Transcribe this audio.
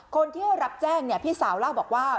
คนที่รับแจ้งเนี่ยพี่สาวแล้วบอกว่า